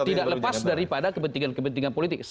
tidak lepas daripada kepentingan kepentingan politik